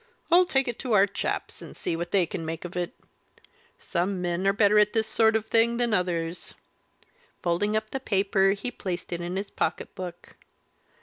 "I'll take it to our chaps, and see what they can make of it. Some men are better at this sort of thing than others." Folding up the paper he placed it in his pocket book.